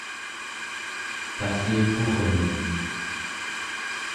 talliqurmiu